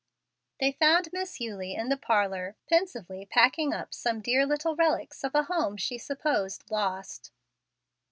They found Miss Eulie in the parlor, pensively packing up some dear little relics of a home she supposed lost.